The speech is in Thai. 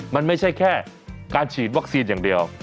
มันไม่ใช่แค่การฉีดวัคซีนอย่างเดียว